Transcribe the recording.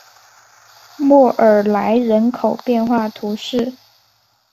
莫尔莱人口变化图示